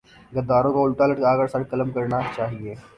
غداروں کو الٹا لٹکا کر سر قلم کرنا چاہیۓ